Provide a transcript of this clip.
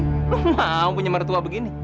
belum mau punya mertua begini